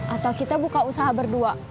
atau kita buka usaha berdua